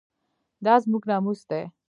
دا زموږ ناموس دی؟